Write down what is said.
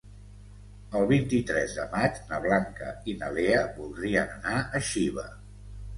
El vint-i-tres de maig na Blanca i na Lea voldrien anar a Xiva.